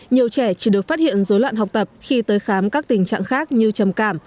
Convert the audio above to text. nhiều trẻ chỉ được phát hiện dối loạn học tập khi tới khám các tình trạng khác như trầm cảm